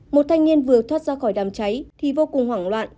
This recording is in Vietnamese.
một thanh niên vừa thoát ra khỏi đám cháy thì vô cùng hoảng loạn